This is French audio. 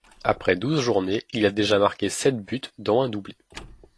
Après douze journées, il a déjà marqué sept buts dont un doublé.